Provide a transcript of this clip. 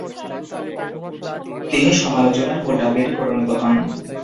তিনি সমালােচনার মূল টার্গেটে পরিণত হন।